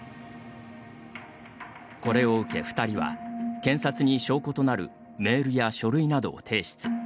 これを受け、２人は検察に証拠となるメールや書類などを提出。